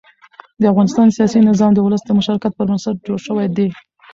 د افغانستان سیاسي نظام د ولس د مشارکت پر بنسټ جوړ شوی دی